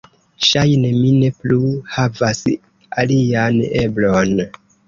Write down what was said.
"Ŝajne mi ne plu havas alian eblon."